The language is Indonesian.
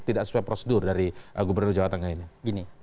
tidak sesuai prosedur dari gubernur jawa tengah ini